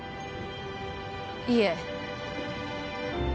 いえ